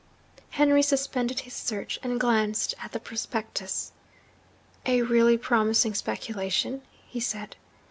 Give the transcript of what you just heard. Henry suspended his search, and glanced at the prospectus. 'A really promising speculation,' he said.